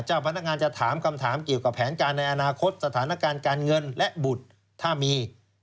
เจ้าพนักงานจะถามคำถามเกี่ยวกับแผนการในอนาคตสถานการณ์การเงินและบุตรถ้ามี